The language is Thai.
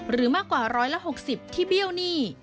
หรือมากกว่า๑๖๐ที่เบี้ยวหนี้